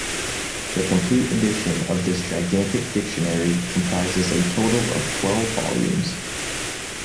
The complete edition of this gigantic dictionary comprises a total of twelve volumes.